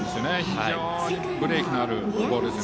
非常にブレーキのあるボールです。